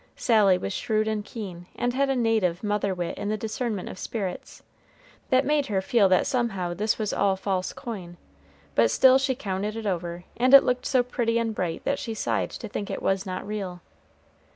Sally was shrewd and keen, and had a native mother wit in the discernment of spirits, that made her feel that somehow this was all false coin; but still she counted it over, and it looked so pretty and bright that she sighed to think it was not real.